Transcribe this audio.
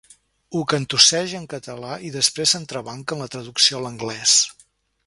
Ho cantusseja en català i després s'entrebanca en la traducció a l'anglès.